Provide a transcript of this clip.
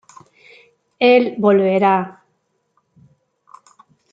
Él volverá.